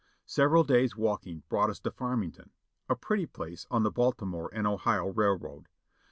Several days' walking brought us to F armington, a pretty place on the Baltimore and Ohio Railroad.